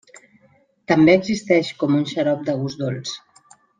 També existeix com un xarop de gust dolç.